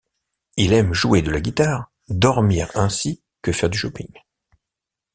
Il aime jouer de la guitare, dormir ainsi que faire du shopping.